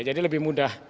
jadi lebih mudah